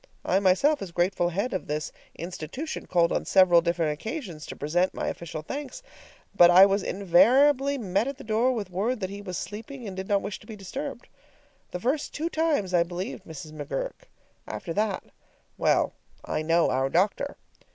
I myself, as grateful head of this institution, called on several different occasions to present my official thanks, but I was invariably met at the door with word that he was sleeping and did not wish to be disturbed. The first two times I believed Mrs. McGurk; after that well, I know our doctor!